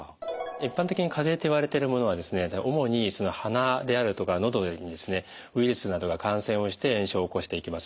一般的にかぜといわれているものは主に鼻であるとかのどにウイルスなどが感染をして炎症を起こしていきます。